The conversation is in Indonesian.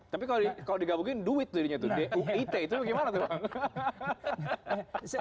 tapi kalau digabungin duit dirinya itu d u i t itu bagaimana